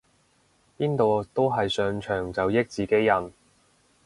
邊度都係上場就益自己人